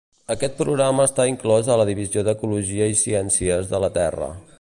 Aquest programa està inclòs a la Divisió d’Ecologia i Ciències de la Terra.